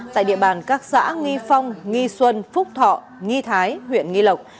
tại địa bàn các xã nghi phong nghi xuân phúc thọ nghi thái huyện nghi lộc